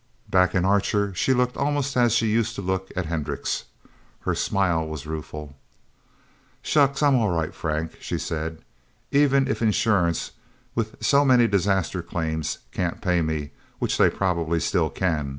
Back in Archer, she looked almost as she used to look at Hendricks'. Her smile was rueful. "Shucks, I'm all right, Frank," she said. "Even if Insurance, with so many disaster claims, can't pay me which they probably still can.